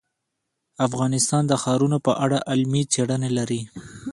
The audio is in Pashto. افغانستان د ښارونو په اړه علمي څېړنې لري.